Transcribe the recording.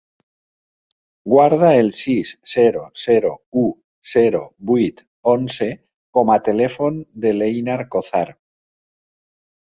Guarda el sis, zero, zero, u, zero, vuit, onze com a telèfon de l'Einar Cozar.